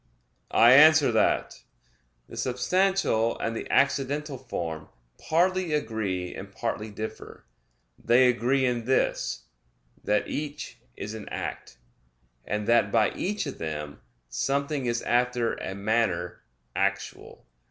I answer that, The substantial and the accidental form partly agree and partly differ. They agree in this, that each is an act; and that by each of them something is after a manner actual.